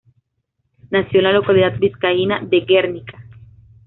Nació en la localidad vizcaína de Guernica.